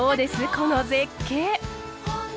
この絶景。